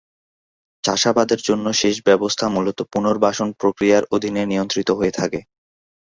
চাষাবাদের জন্য সেচ ব্যবস্থা মূলত পুনর্বাসন প্রক্রিয়ার অধীনে নিয়ন্ত্রিত হয়ে থাকে।